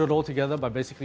kita ingin menemukan semua ini